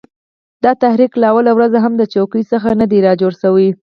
دا تحریک اوله ورځ هم د چوکیو څخه نه دی را جوړ سوی